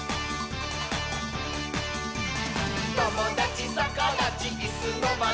「ともだちさかだちいすのまち」